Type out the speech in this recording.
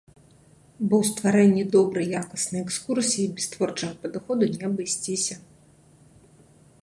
Бо ў стварэнні добрай якаснай экскурсіі без творчага падыходу не абысціся.